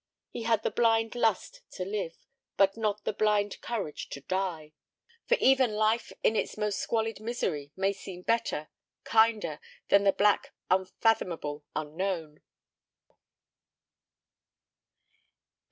He had the blind lust to live, but not the blind courage to die. For even life in its most squalid misery may seem better, kinder than the black, unfathomable unknown.